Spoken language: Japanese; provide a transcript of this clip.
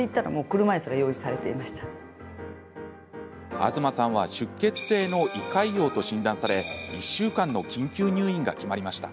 東さんは出血性の胃潰瘍と診断され１週間の緊急入院が決まりました。